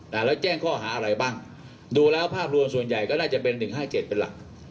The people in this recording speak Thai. แล้วแจ้งข้อเข้าหาอะไรบ้างดูแล้วภาพรวมส่วนใหญ่ก็น่าจะเป็น๑๕๗เป็นหลัก